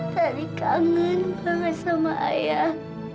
tadi kangen banget sama ayah